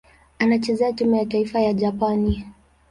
Anachezea timu ya taifa ya Japani.